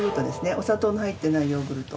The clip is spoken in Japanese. お砂糖の入ってないヨーグルト。